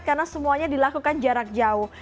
karena semuanya dilakukan jarak jauh